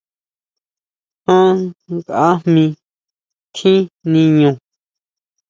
Já nkajmi tjín niñú?